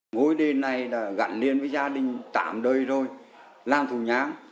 ngôi đền này gặn liên với gia đình tạm đời rồi làm thủ nhang